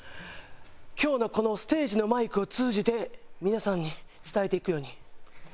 今日のこのステージのマイクを通じて皆さんに伝えていくように。